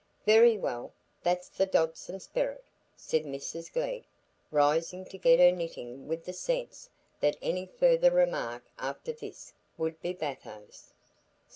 "Very well; that's the Dodson sperrit," said Mrs Glegg, rising to get her knitting with the sense that any further remark after this would be bathos.